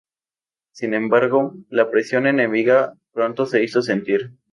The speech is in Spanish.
Sin embargo, la presión enemiga pronto se hizo sentir.